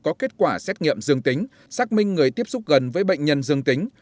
có kết quả xét nghiệm dương tính xác minh người tiếp xúc gần với bệnh nhân dương tính